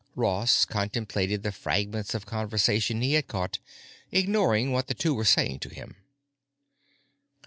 Ross contemplated the fragments of conversation he had caught, ignoring what the two were saying to him.